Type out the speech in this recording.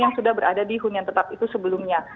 yang sudah berada di hunian tetap itu sebelumnya